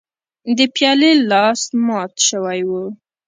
د پیالې لاس مات شوی و.